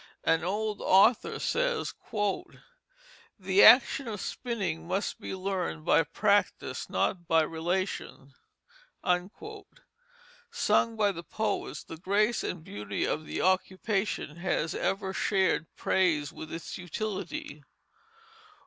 An old author says: "The action of spinning must be learned by practice, not by relation." Sung by the poets, the grace and beauty of the occupation has ever shared praise with its utility.